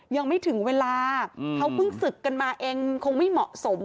ยังไม่ถึงเวลาเขาเพิ่งศึกกันมาเองคงไม่เหมาะสม